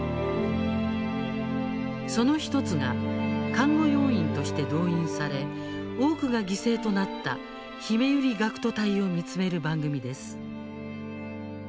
その１つが看護要員として動員され多くが犠牲となったひめゆり学徒隊を見つめる番組です。